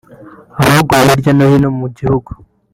Abaguye hirya no hino mu gihugu